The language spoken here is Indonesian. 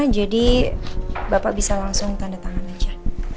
jadi bapak bisa langsung tanda tangan aja